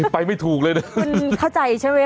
ไปไม่ถูกเลยนะคุณเข้าใจใช่ไหม